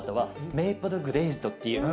メイプル・グレーズドっていうの？